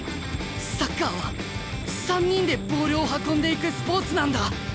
サッカーは３人でボールを運んでいくスポーツなんだ。